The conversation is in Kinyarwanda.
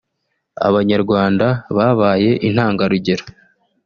Abanyarwanda babaye intangarugero